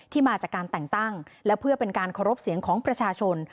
มาจากการแต่งตั้งและเพื่อเป็นการเคารพเสียงของประชาชน